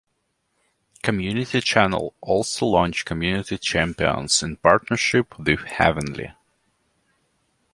Community Channel also launched Community Champions in partnership with Heavenly.